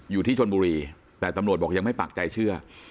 อยู่ที่ชนบุรีแต่ตำรวจบอกยังไม่ปากใจเชื่อ